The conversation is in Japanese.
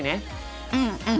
うんうん。